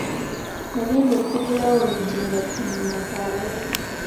Yagenda okugulawo oluggi nga ku nnyina kw'alaba.